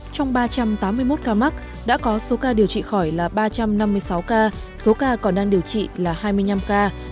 trong ba trăm tám mươi một ca mắc đã có số ca điều trị khỏi là ba trăm năm mươi sáu ca số ca còn đang điều trị là hai mươi năm ca